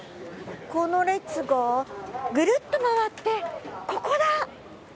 この列がぐるっと回ってここだ！